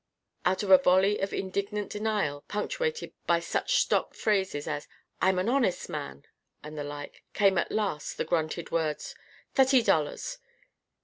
Out of a volley of indignant denial, punctuated by such stock phrases as, "I'm an honest man!" and the like, came at last the grunted words: "Thutty dollars.